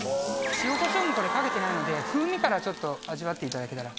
塩コショウもかけてないので風味からちょっと味わっていただけたら。